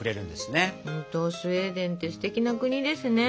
本当スウェーデンってすてきな国ですね。ね！